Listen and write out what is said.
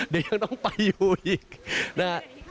เดี๋ยวยังต้องไปอยู่อีกนะฮะ